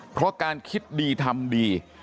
เพราะการคิดดีทำดี